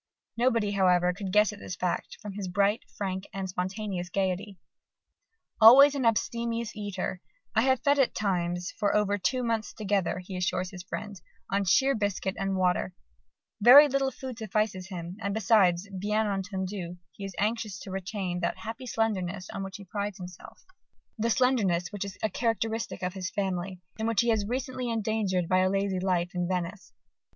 Nobody, however, could guess at this fact from his bright, frank, and spontaneous gaiety. Always an abstemious eater "I have fed at times for over two months together," he assures his friends, "on sheer biscuit and water," very little food suffices him: and besides, bien entendu, he is anxious to retain that "happy slenderness" on which he prides himself, the slenderness which is a characteristic of his family, and which he has recently endangered by a lazy life in Venice.